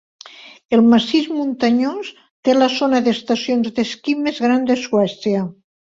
El massís muntanyós té la zona d'estacions d'esquí més gran de Suècia.